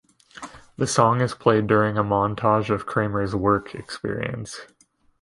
The song is played during a montage of Kramer's "work" experience.